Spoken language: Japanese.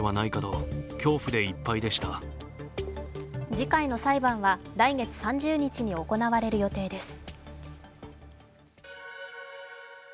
次回の裁判は来月３０日に行われる予定です。